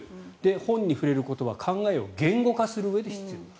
本に触れることは考えを言語化するうえで必要。